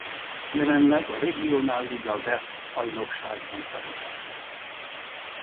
Jelenleg a Regionalliga West bajnokságban szerepelnek.